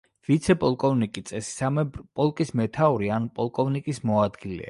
ვიცე-პოლკოვნიკი წესისამებრ პოლკის მეთაური ან პოლკოვნიკის მოადგილეა.